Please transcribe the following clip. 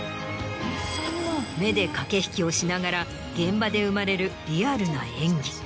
目で駆け引きをしながら現場で生まれるリアルな演技。